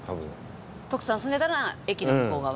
徳さん住んでたのは駅の向こう側？